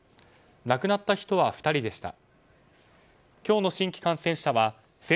亡くなった人は２人でした。